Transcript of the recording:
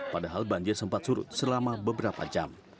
padahal banjir sempat surut selama beberapa jam